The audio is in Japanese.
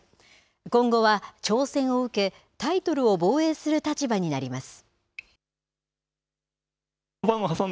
今後は挑戦を受けタイトルを防衛する立場になります。